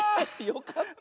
よかった！